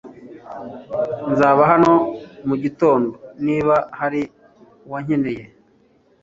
Nzaba hano mugitondo niba hari uwankeneye.